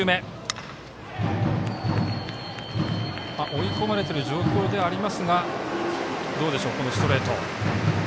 追い込まれてる状況ではありますがどうでしょうこのストレート。